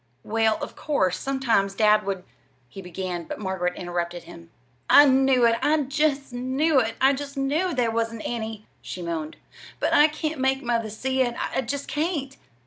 "Well, of course, sometimes dad would" he began; but Margaret interrupted him. "I knew it I just knew it I just knew there wasn't any," she moaned; "but I can't make mother see it I just can't!"